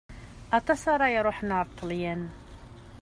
Aṭas ara iṛuḥen ar Ṭelyan.